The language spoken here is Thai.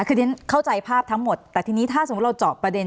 คือเรียนเข้าใจภาพทั้งหมดแต่ทีนี้ถ้าสมมุติเราเจาะประเด็น